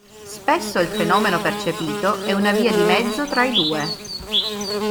Spesso il fonema percepito è una via di mezzo tra i due.